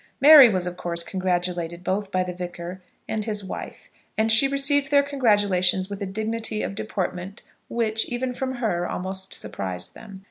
Mary was, of course, congratulated both by the Vicar and his wife, and she received their congratulations with a dignity of deportment which, even from her, almost surprised them.